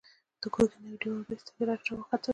د ګرګين او دېوان بېګ سترګې رډې راختلې وې.